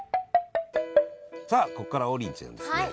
さあここからは王林ちゃんですね